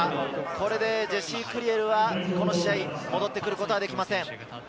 これでジェシー・クリエルは、この試合戻ってくることができません。